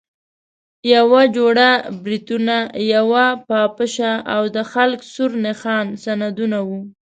یوه جوړه بریتونه، یوه پاپشه او د خلق سور نښان سندونه وو.